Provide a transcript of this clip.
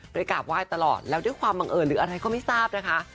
กราบไหว้ตลอดแล้วด้วยความบังเอิญหรืออะไรก็ไม่ทราบนะคะ